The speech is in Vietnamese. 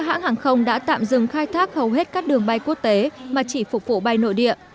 các hãng hàng không đã tạm dừng khai thác hầu hết các đường bay quốc tế mà chỉ phục vụ bay nội địa